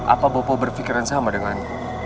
apa bopo berpikiran sama dengan